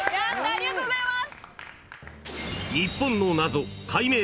ありがとうございます。